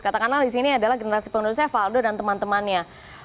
katakanlah di sini adalah generasi penerusnya valdo dan teman temannya